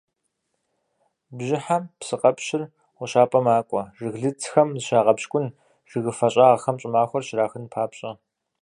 Бжьыхьэм псыкъэпщыр гъущапӀэ макӀуэ, жыглыцхэм зыщагъэпщкӀун, жыгыфэ щӀагъхэм щӀымахуэр щрахын папщӀэ.